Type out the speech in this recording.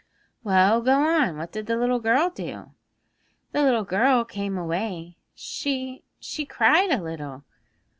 'Well, go on. What did the little girl do?' 'The little girl came away; she she cried a little.'